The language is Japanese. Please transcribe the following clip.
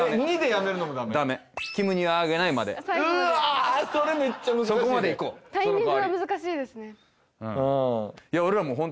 「きむにはあげない」までそれめっちゃ難しいそこまでいこうタイミングが難しいですね